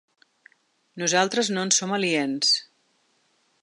Nosaltres no en som aliens.